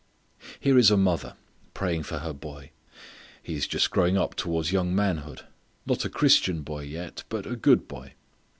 Here is a mother praying for her boy. He is just growing up towards young manhood; not a Christian boy yet; but a good boy.